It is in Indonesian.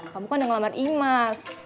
kamu kan udah ngelamar imas